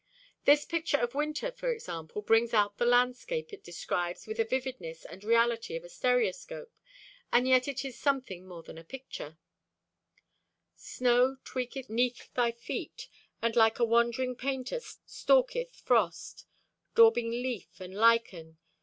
This picture of winter, for example, brings out the landscape it describes with the vividness and reality of a stereoscope, and yet it is something more than a picture: Snow tweaketh 'neath thy feet, And like a wandering painter stalketh Frost, Daubing leaf and lichen.